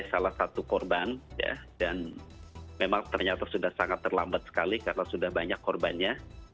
salah satu korban dan memang ternyata sudah sangat terlambat sekali karena sudah banyak korbannya